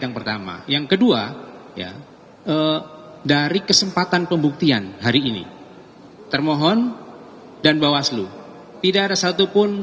yang pertama yang kedua ya dari kesempatan pembuktian hari ini termohon dan bawaslu tidak ada satupun